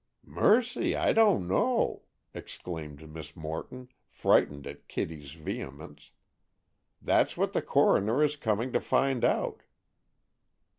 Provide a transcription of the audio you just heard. "Mercy! I don't know," exclaimed Miss Morton, frightened at Kitty's vehemence. "That's what the coroner is coming to find out."